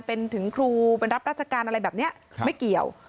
เป็นถึงครูเป็นรับราชการอะไรแบบนี้ไม่เกี่ยว